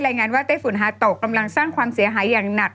รายงานว่าไต้ฝุ่นฮาโตกำลังสร้างความเสียหายอย่างหนัก